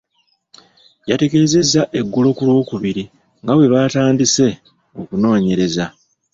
Yategeezezza eggulo ku Lwokubiri nga bwe baatandise okunoonyereza.